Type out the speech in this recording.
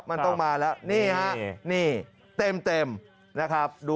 มันต้องมาแล้วนี่ฮะนี่เต็มนะครับ